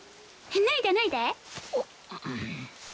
脱いで脱いで！